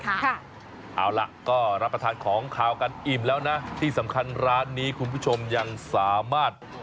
เอาล่ะก็รับประทานของขาวกันอิ่มแล้วนะที่สำคัญร้านนี้คุณผู้ชมยังสามารถ